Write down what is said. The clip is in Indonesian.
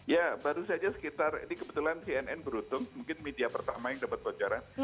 ya baru saja sekitar ini kebetulan cnn beruntung mungkin media pertama yang dapat bocoran